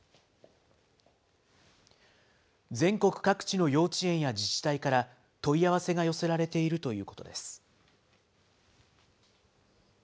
全国各地の幼稚園や自治体から問い合わせが寄せられているということです。